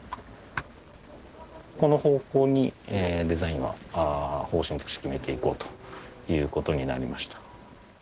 この方向にデザインは方針として決めていこうという事になりました。